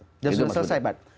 sudah selesai pak